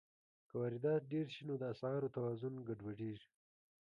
که واردات ډېر شي، نو د اسعارو توازن ګډوډېږي.